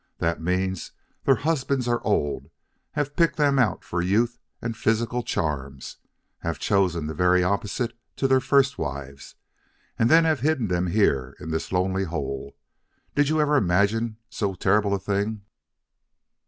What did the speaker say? That means their husbands are old, have picked them out for youth and physical charms, have chosen the very opposite to their first wives, and then have hidden them here in this lonely hole.... Did you ever imagine so terrible a thing?"